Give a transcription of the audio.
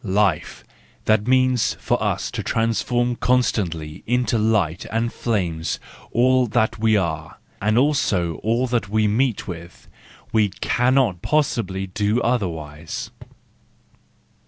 Life—that means for us to transform constantly into light and flame all that we are, and also all that we meet with; we cannot possibly do otherwise.